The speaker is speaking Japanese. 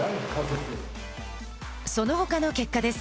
そのほかの結果です。